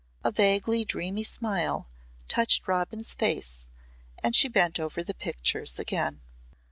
A vaguely dreamy smile touched Robin's face and she bent over the pictures again.